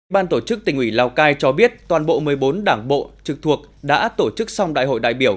ban tổ chức tỉnh ủy lào cai cho biết toàn bộ một mươi bốn đảng bộ trực thuộc đã tổ chức xong đại hội đại biểu